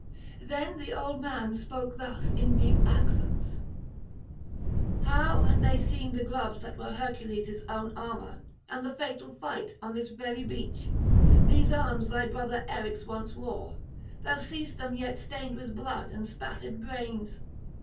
Then the old man spoke thus in deep accents: 'How, had they seen the gloves [411 444]that were Hercules' own armour, and the fatal fight on this very beach? These arms thy brother Eryx once wore; thou seest them yet stained with blood and spattered brains.